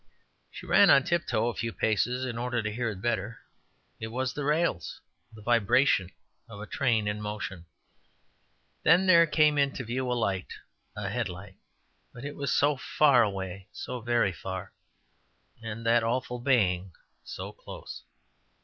She ran on tiptoe a few paces in order to hear it better; it was in the rails the vibration of a train in motion. Then there came into view a light a headlight; but it was so far away, so very far, and that awful baying so close!